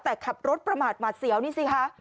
แต่ขับรถประมาทหมาดเสียวนี่สิคะ